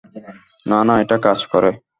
না, না, এটা কাজ করে।